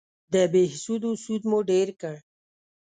د بهسودو سود مو ډېر کړ